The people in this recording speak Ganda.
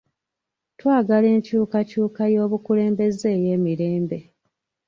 Twagala enkyukakyuka y'obukulembeze ey'emirembe.